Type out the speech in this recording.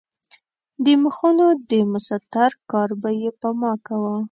د مخونو د مسطر کار به یې په ما کاوه.